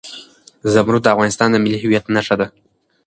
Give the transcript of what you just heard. زمرد د افغانستان د ملي هویت نښه ده.